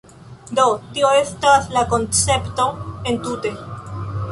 Do, tio estas la koncepto entute